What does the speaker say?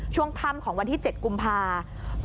ช่วงค่ำของวันที่๗กุมภาคม